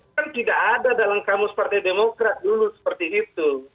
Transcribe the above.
kan tidak ada dalam kamus partai demokrat dulu seperti itu